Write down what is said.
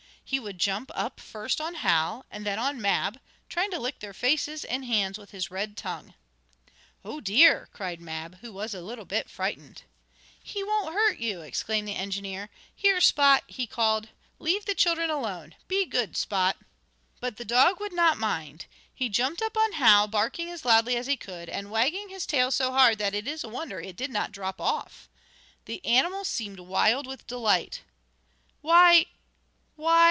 He would jump up first on Hal, and then on Mab, trying to lick their faces and hands with his red tongue. "Oh dear!" cried Mab, who was a little bit frightened. "He won't hurt you!" exclaimed the engineer. "Here, Spot!" he called. "Leave the children alone. Be good, Spot!" But the dog would not mind. He jumped up on Hal, barking as loudly as he could, and wagging his tail so hard that it is a wonder it did not drop off. The animal seemed wild with delight. "Why! Why!"